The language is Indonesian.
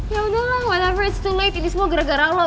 yaudah lah whatever it's too late ini semua gara gara lo